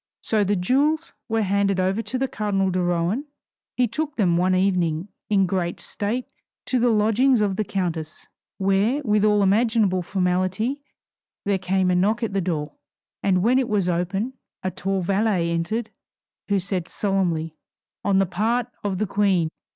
So the jewels were handed over to the cardinal de Rohan; he took them one evening in great state to the lodgings of the countess, where with all imaginable formality there came a knock at the door, and when it was open a tall valet entered who said solemnly "On the part of the Queen!"